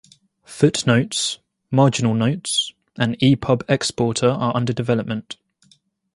Footnotes, marginal notes, and ePub exporter are under development.